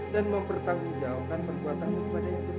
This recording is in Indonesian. dan mempertanggungjawabkan perbuatanmu kepada yang diberi